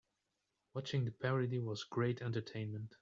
Watching the parody was great entertainment.